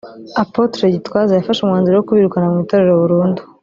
Apotre Gitwaza yafashe umwanzuro wo kubirukana mu itorero burundu